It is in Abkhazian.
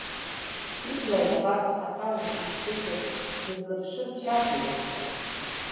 Ибла иабаз, хаҭала ихигаз, дызлаԥшыз шьарда ирацәоуп.